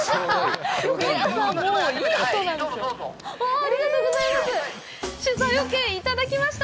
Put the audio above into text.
ありがとうございます！